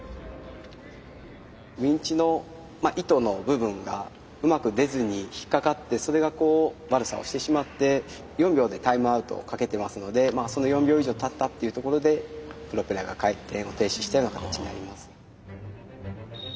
ウインチの糸の部分がうまく出ずに引っ掛かってそれがこう悪さをしてしまって４秒でタイムアウトをかけてますのでその４秒以上たったっていうところでプロペラが回転を停止したような形になります。